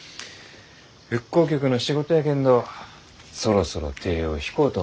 復興局の仕事やけんどそろそろ手を引こうと思うて。